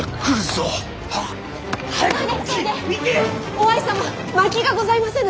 於愛様まきがございませぬ。